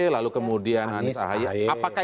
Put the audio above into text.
lalu kemudian anies ahy apakah